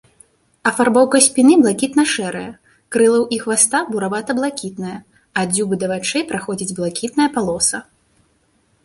Афарбоўка спіны блакітна-шэрая, крылаў і хваста буравата-блакітная, ад дзюбы да вачэй праходзіць блакітная палоса.